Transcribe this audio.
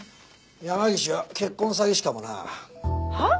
山岸は結婚詐欺師かもな。はあ？